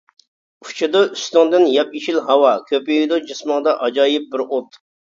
ئۇچىدۇ ئۈستۈڭدىن ياپيېشىل ھاۋا، كۆيىدۇ جىسمىڭدا ئاجايىپ بىر ئوت.